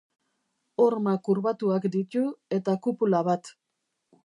Horma kurbatuak ditu eta kupula bat.